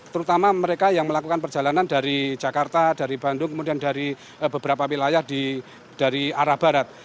terutama mereka yang melakukan perjalanan dari jakarta dari bandung kemudian dari beberapa wilayah dari arah barat